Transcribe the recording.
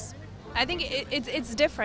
saya pikir itu berbeda